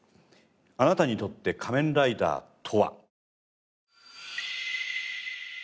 あなたにとって「仮面ライダー」とは？